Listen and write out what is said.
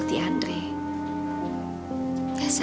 saya ingin dong lirik mereka bahasan itu